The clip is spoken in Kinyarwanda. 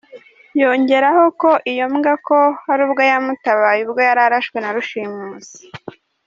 Yongeraho ko iyo mbwa ko hari ubwo yamutabaye ubwo yararashwe na rushimusi.